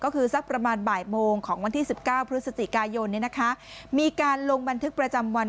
ก็คือสักประมาณบ่ายโมงของวันที่๑๙พฤศจิกายนมีการลงบันทึกประจำวัน